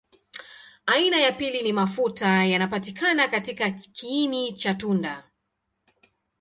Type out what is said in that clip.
Aina ya pili ni mafuta yanapatikana katika kiini cha tunda.